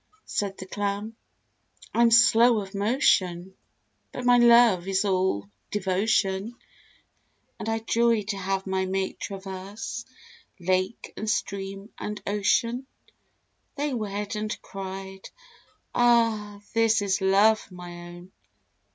Said the Clam, "I'm slow of motion, But my love is all devotion, And I joy to have my mate traverse lake and stream and ocean!" They wed, and cried, "Ah, this is Love, my own!"